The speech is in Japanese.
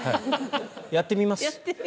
やってみます。